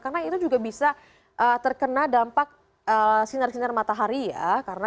karena itu juga bisa terkena dampak sinar sinar matahari ya